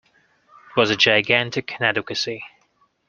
It was a gigantic inadequacy.